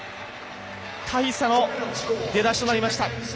大差の出だしとなりました。